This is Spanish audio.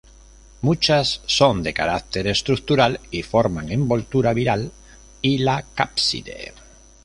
Muchas son de carácter estructural y forman envoltura viral y la cápside.